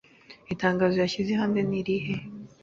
Itangazo yashyize hanze nirihe